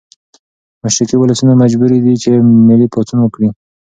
مشرقي ولسونه مجبوري دي چې ملي پاڅون وکړي.